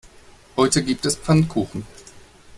Heute gibt es Pfannkuchen.